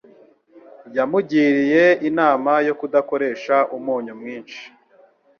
Yamugiriye inama yo kudakoresha umunyu mwinshi